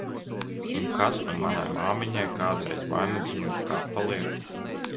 Un kas nu manai māmiņai kādreiz vainadziņu uz kapa liek!